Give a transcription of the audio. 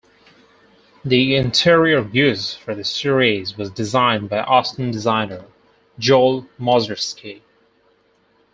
The interior used for the series was designed by Austin designer Joel Mozersky.